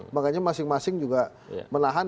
makanya masing masing juga menahan